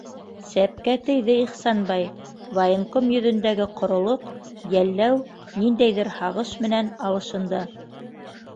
Сәпкә тейҙе Ихсанбай: военком йөҙөндәге ҡоролоҡ йәлләү, ниндәйҙер һағыш менән алышынды.